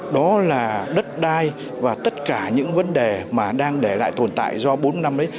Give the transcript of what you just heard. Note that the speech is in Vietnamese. đó là đất đai và tất cả những vấn đề mà đang để lại tồn tại do bốn năm đấy